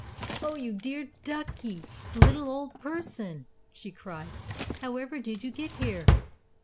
"Oh, you dear, duckie, little old person!" she cried. "However did you get here?"